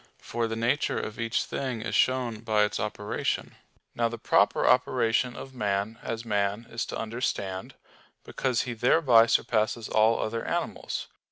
For the nature of each thing is shown by its operation. Now the proper operation of man as man is to understand; because he thereby surpasses all other animals.